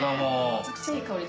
めちゃくちゃいい香り。